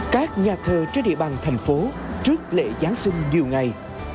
các nhà thờ trên địa bàn thành phố trước lễ giáng sinh nhiều ngày